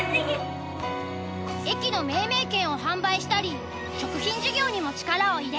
駅の命名権を販売したり食品事業にも力を入れ